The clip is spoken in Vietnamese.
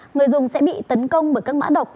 người dùng sẽ bị tấn công bởi các mã độc